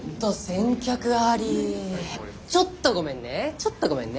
ちょっとごめんね。